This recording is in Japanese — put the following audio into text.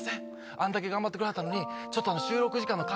あんだけ頑張ってくれはったのに」。